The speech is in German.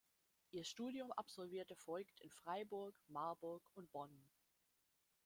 Ihr Studium absolvierte Voigt in Freiburg, Marburg und Bonn.